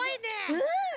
うん！